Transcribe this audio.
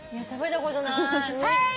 食べたことない。